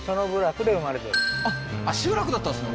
あっ集落だったんですね